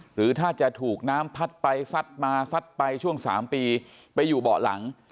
หรือถ้าจะถูกน้ำพัดไปซัดมาซัดไปช่วง๓ปีไปอยู่เบาะหลัง